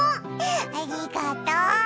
ありがとう。